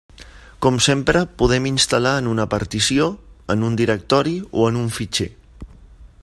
Com sempre podem instal·lar en una partició, en un directori o en un fitxer.